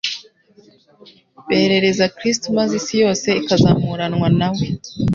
Berereza Kristo maze isi yose ikazamuranwa na we.